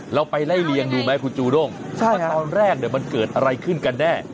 เราไปไล่เลียงดูไหมคุณจูด้งว่าตอนแรกมันเกิดอะไรขึ้นกันแน่